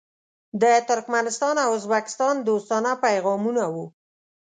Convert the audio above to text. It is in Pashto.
د ترکمنستان او ازبکستان دوستانه پیغامونه وو.